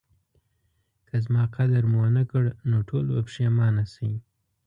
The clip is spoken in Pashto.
که زما قدر مو ونکړ نو ټول به پخیمانه شئ